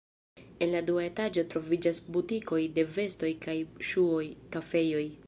En la dua etaĝo troviĝas butikoj de vestoj kaj ŝuoj, kafejoj.